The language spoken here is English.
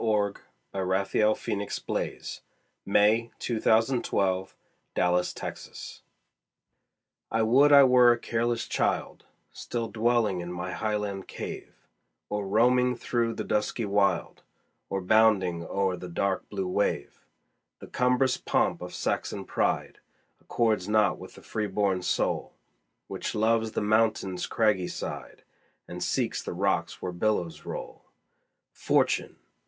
Lord Byron, (George Gordon) I Would I Were a Careless Child I WOULD I were a careless child, Still dwelling in my highland cave, Or roaming through the dusky wild, Or bounding o'er the dark blue wave; The cumbrous pomp of Saxon pride Accords not with the freeborn soul, Which loves the mountain's craggy side, And seeks the rocks where billows roll. Fortune!